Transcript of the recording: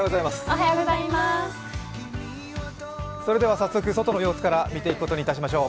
早速外の様子から見ていくことにいたしましょう。